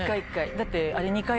だって。